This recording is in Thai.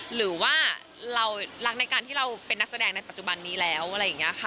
หรือว่าเรารักในการที่เราเป็นนักแสดงในปัจจุบันนี้แล้วอะไรอย่างนี้ค่ะ